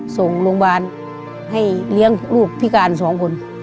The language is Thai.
ส่งโรงพยาบาลให้เลี้ยงลูกพิการสองคน